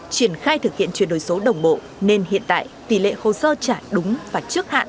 triển khai thực hiện chuyển đổi số đồng bộ nên hiện tại tỷ lệ khẩu sơ trả đúng và trước hạn